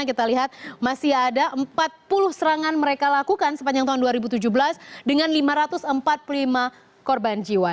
kita lihat masih ada empat puluh serangan mereka lakukan sepanjang tahun dua ribu tujuh belas dengan lima ratus empat puluh lima korban jiwa